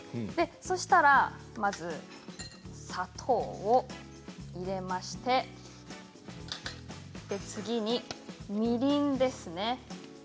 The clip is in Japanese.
そうしたらまず砂糖を入れまして次に、みりんですね。